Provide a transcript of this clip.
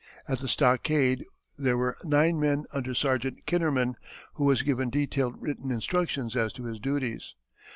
At the stockade there were nine men under Sergeant Kennerman, who was given detailed written instructions as to his duties.